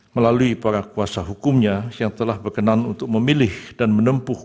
melalui para kuasa hukumnya yang telah berkenan untuk memilih dan menempuh